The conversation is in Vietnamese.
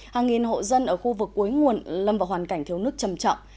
hàng nghìn hộ dân ở khu vực cuối nguồn lâm vào hoàn cảnh thiếu nước chầm chọng